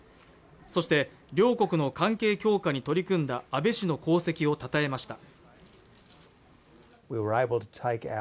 そして両国の関係強化に取り組んだ安倍氏の功績をたたえました